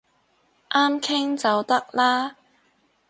啱傾就得啦